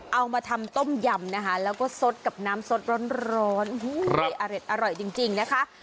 เอามาทำต้มยำนะคะแล้วก็สดกับน้ำสดร้อนอร่อยจริงนะคะ